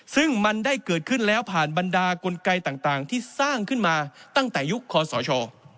ซึ่งมันได้เกิดขึ้นแล้วผ่านบรรดากลไกต่างที่สร้างขึ้นมาตั้งแต่ยุคคอสช